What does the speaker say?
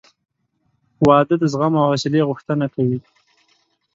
• واده د زغم او حوصلې غوښتنه کوي.